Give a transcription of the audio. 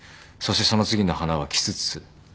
そしてその次の花はキスツス。